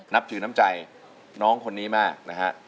นับถือน้ำใจน้องคนนี้มากนะฮะ